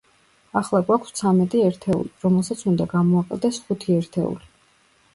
ახლა გვაქვს ცამეტი ერთეული, რომელსაც უნდა გამოაკლდეს ხუთი ერთეული.